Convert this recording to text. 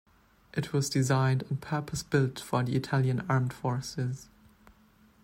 It was designed and purpose-built for the Italian armed forces.